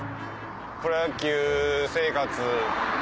プロ野球生活